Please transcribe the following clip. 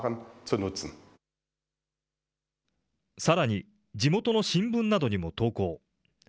さらに地元の新聞などにも投稿。